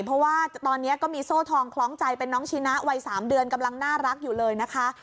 เพราะว่าตอนนี้ก็มีโซ่ทองคล้องใจเป็นน้องชีนะวัย๓เดือนกำลังน่ารักอยู่เลยนะคะ